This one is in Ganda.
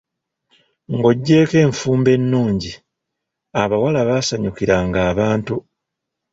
Ng'oggyeko enfumba ennungi, abawala baasanyukiranga abantu.